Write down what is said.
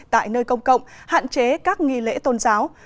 tại nơi công cộng hạn chế các nghi lễ tôn giáo